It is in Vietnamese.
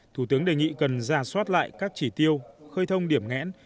thủ tướng đề nghị cần ra soát lại các chỉ tiêu khơi thông điểm ngẽn